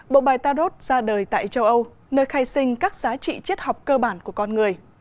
bộ bài tarot ra đời tại châu âu nơi khai sinh các giá trị chết học cơ bản của con người